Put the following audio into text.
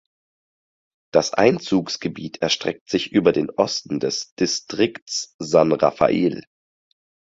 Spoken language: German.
Das Einzugsgebiet erstreckt sich über den Osten des Distrikts San Rafael.